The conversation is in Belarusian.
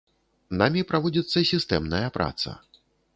Намі праводзіцца сістэмная праца.